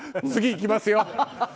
次いきます。